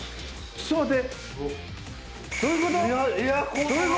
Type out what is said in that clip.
ちょっと待って！